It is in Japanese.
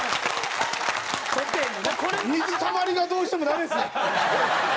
「水たまりがどうしてもダメですね」。